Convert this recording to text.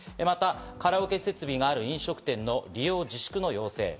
またカラオケ設備がある飲食店の利用自粛の要請。